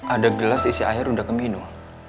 ada gelas isi air udah keminum